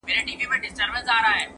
څوك به واچوي سندرو ته نومونه!!